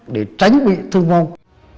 để tránh bị thương vong